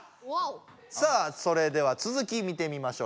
さあそれでは続き見てみましょう。